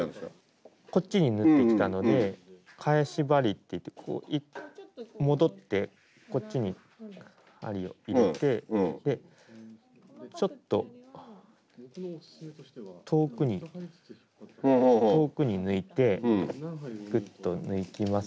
こっちに縫ってきたので返し針っていって戻ってこっちに針を入れてちょっと遠くに遠くに抜いてキュッと抜きます